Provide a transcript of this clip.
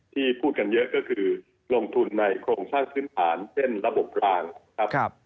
พูดกันเยอะก็คือลงทุนในโครงสร้างพื้นฐานเช่นระบบรางครับ